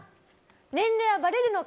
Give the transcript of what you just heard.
「年齢はバレるのか！？